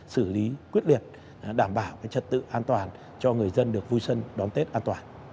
xử lý quyết liệt đảm bảo trật tự an toàn cho người dân được vui xuân đón tết an toàn